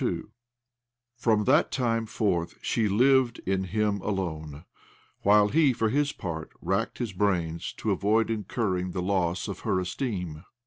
II From that time forth she lived in him alone, while he, for his part, racked his brains to avoid incurring the loss of her esteem.